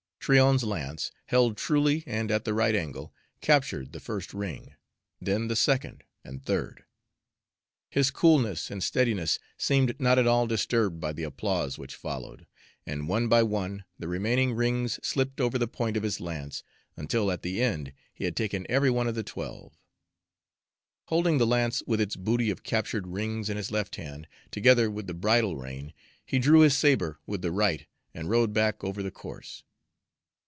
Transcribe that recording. Tryon's lance, held truly and at the right angle, captured the first ring, then the second and third. His coolness and steadiness seemed not at all disturbed by the applause which followed, and one by one the remaining rings slipped over the point of his lance, until at the end he had taken every one of the twelve. Holding the lance with its booty of captured rings in his left hand, together with the bridle rein, he drew his sabre with the right and rode back over the course.